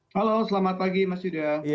halo selamat pagi mas yuda